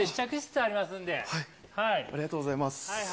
ありがとうございます。